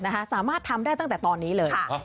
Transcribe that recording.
สามารถทำได้ตั้งแต่ตอนนี้เลย